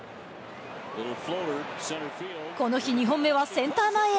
この日２本目はセンター前へ。